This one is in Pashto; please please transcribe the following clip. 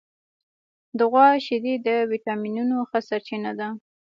د غوا شیدې د وټامینونو ښه سرچینه ده.